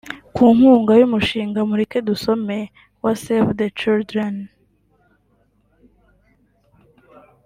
ku nkunga y’umushinga mureke dusome wa Save the Children